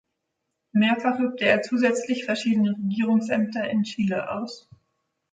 Mehrfach übte er zusätzlich verschiedene Regierungsämter in Chile aus.